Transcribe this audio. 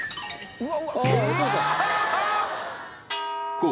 うわ！